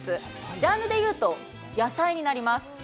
ジャンルで言うと野菜になります。